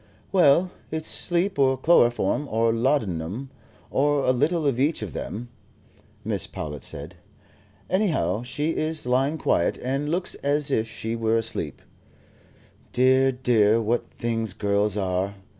"Well, it's sleep, or chloroform, or laudanum, or a little of each of them," Mrs. Powlett said. "Anyhow, she is lying quiet, and looks as if she were asleep. Dear, dear, what things girls are.